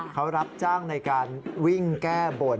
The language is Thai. เขารับจ้างในการวิ่งแก้บน